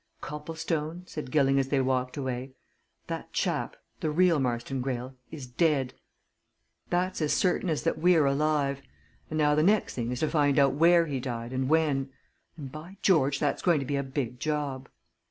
"Copplestone!" said Gilling as they walked away. "That chap the real Marston Greyle is dead! That's as certain as that we're alive! And now the next thing is to find out where he died and when. And by George, that's going to be a big job!"